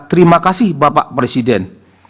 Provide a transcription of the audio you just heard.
terima kasih bapak presiden